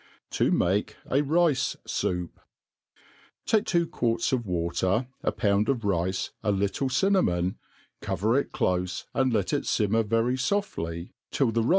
To make a Rice Soup* TAKE two quarts of water, a pound of rice, a little cia namon j cover it clofe, and let it fimmer very foftly till the MADE PLAIN AND EASY.